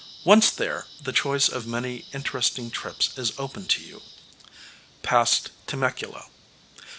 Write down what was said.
Once there, the choice of many interesting trips is open to you. Past Temecula.